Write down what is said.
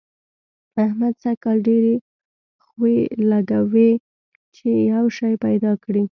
احمد سږ کال ډېرې خوې لګوي چي يو شی پيدا کړي.